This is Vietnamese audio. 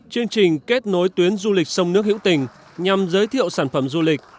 chương trình kết nối tuyến du lịch sông nước hữu tình nhằm giới thiệu sản phẩm du lịch